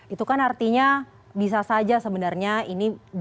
itu kan artinya bisa saja sebenarnya ini